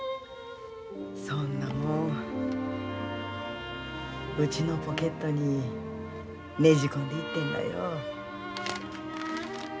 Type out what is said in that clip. そんなもんうちのポケットにねじ込んで行ってんらよ。